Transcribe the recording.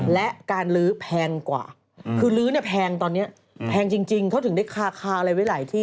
และการลื้อแพงกว่าคือลื้อเนี่ยแพงตอนนี้แพงจริงเขาถึงได้คาอะไรไว้หลายที่